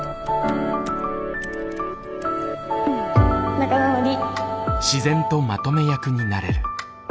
仲直り。